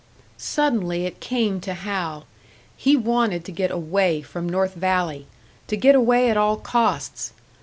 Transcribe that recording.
Suddenly it came to Hal he wanted to get away from North Valley! To get away at all costs!